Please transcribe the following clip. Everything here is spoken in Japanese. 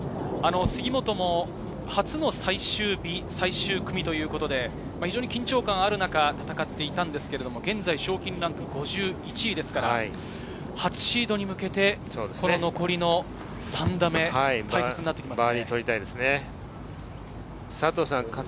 杉本も初の最終日、最終組ということで、緊張感のある中で戦っていたんですが、現在、賞金ランク５１位ですから、初シードに向けて、この残りの３打目、大切になってきます。